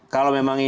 kalau memang ini